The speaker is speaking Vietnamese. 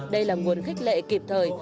đây là nguồn khích lệ kịp thời